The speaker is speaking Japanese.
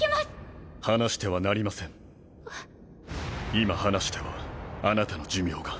今離してはあなたの寿命が。